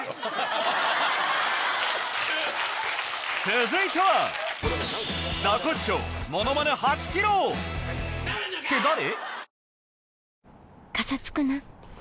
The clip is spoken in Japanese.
続いては！って誰？